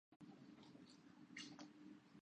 ادھوری چھوڑ کر سرجری کرانے دہلی روانہ ہوئے ہیں